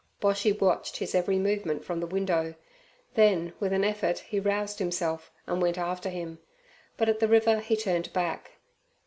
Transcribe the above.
Boshy watched his every movement from the window, then with an effort he roused himself and went after him, but at the river he turned back.